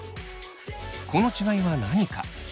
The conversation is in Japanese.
この違いは何か。